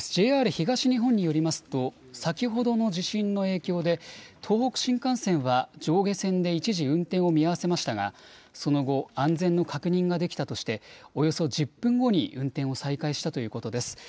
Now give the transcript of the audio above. ＪＲ東日本によりますと先ほどの地震の影響で東北新幹線は上下線で一時運転を見合わせましたがその後、安全の確認ができたとしておよそ１０分後に運転を再開したということです。